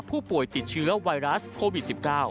ผู้ป่วยติดเชื้อไวรัสโควิด๑๙